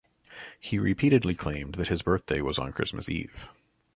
He repeatedly claimed that his birthday was on Christmas Eve.